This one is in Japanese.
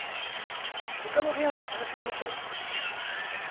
他の部屋も探してみましょう。